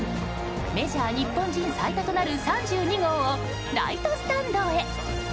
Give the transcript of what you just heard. メジャー日本人最多となる３２号をライトスタンドへ！